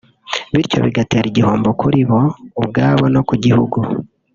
bityo bigatera igihombo kuri bo ubwabo no ku gihugu